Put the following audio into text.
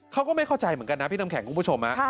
เขาก็ไม่เข้าใจเหมือนกันนะพี่น้ำแข็งคุณผู้ชม